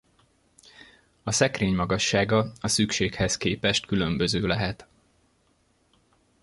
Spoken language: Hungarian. A szekrény magassága a szükséghez képest különböző lehet.